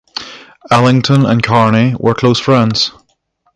Ellington and Carney were close friends.